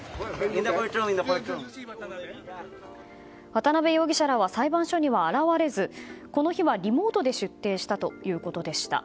渡辺容疑者らは裁判所には現れずこの日はリモートで出廷したということでした。